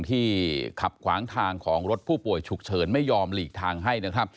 ที่ขับขวางทางของรถผู้ป่วยฉุกเฉินไม่ยอมหลีกทางให้นะครับ